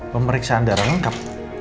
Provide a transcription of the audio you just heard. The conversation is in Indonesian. pemeriksaan darah lengkap